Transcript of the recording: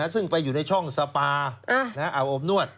ซึ่งไปอยู่ในช่องสปาอาบอบนวด